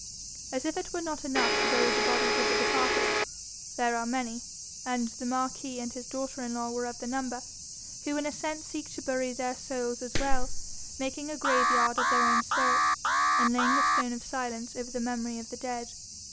As if it were not enough to bury the bodies of the departed, there are many, and the marquis and his daughter in law were of the number, who in a sense seek to bury their souls as well, making a graveyard of their own spirits, and laying the stone of silence over the memory of the dead.